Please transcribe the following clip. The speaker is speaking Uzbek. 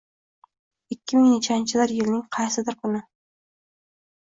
Ikki ming nechanchidir yilning qaysidir kuni.